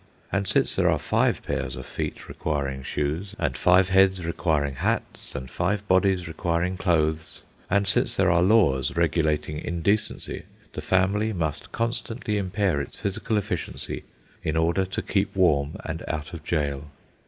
And since there are five pairs of feet requiring shoes, and five heads requiring hats, and five bodies requiring clothes, and since there are laws regulating indecency, the family must constantly impair its physical efficiency in order to keep warm and out of jail.